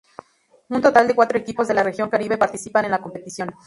Un total de cuatro equipos de la Región Caribe participan en la competición.